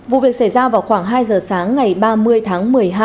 vụ việc xảy ra vào khoảng hai giờ sáng ngày ba mươi tháng một mươi hai